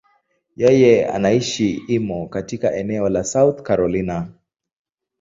Yeye anaishi Irmo, katika eneo la South Carolina.